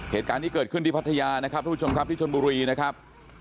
เหตุการณ์นี้เกิดขึ้นที่พัทยานะครับทุกผู้ชมครับที่ชนบุรีนะครับ